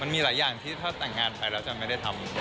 มีหลายอย่างที่ถ้าแต่งงานไปแล้วจะไม่ได้ทำ